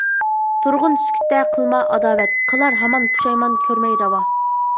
تۇرغىن سۈكۈتتە قىلما ئاداۋەت، قىلار ھامان پۇشايمان كۆرمەي راۋا.